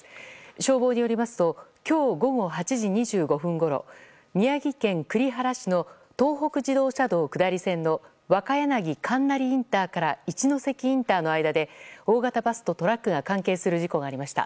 消防によりますと今日午後８時２５分ごろ宮城県栗原市の東北自動車道下り線の若柳金成インターから一関インターの間で大型バスとトラックが関係する事故がありました。